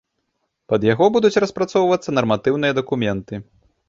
Пад яго будуць распрацоўвацца нарматыўныя дакументы.